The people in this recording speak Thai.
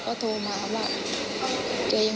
โดยทำผ่านเอามา